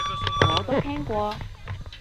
我都聽過